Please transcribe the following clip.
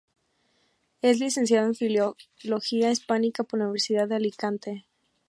Es licenciado en filología hispánica por la Universidad de Alicante.